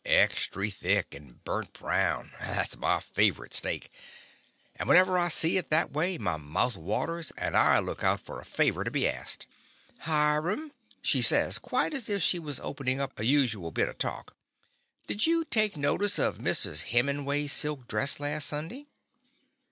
Extry thick, and burnt brown — that 's my favorite steak — and whenever I see it that way my mouth waters, and I look out for a fa vor to be asked. "Hiram," she says, quite as if she was openin' up a usual bit of talk, "did you take notice of Mrs. Heming way's silk dress last Sunday?"